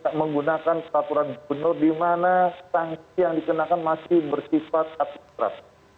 kita menggunakan peraturan benar di mana sanksi yang dikenakan masih bersifat atas terat